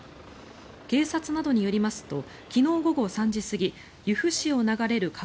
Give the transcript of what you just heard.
警察などによりますと昨日午後３時過ぎ由布市を流れる花